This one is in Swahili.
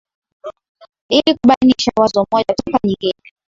ili kubainisha wazo moja toka nyingine.